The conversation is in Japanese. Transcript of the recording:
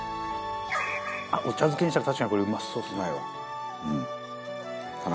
お茶漬けにしたら確かにこれうまそうですね。